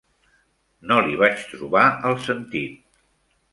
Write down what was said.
No l'hi vaig trobar el sentit.